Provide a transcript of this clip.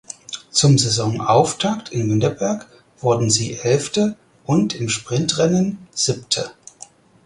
Zum Saisonauftakt in Winterberg wurden sie Elfte und im Sprintrennen Siebte.